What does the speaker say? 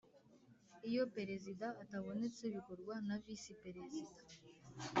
Iyo Perezida atabonetse bikorwa na Visi Perezida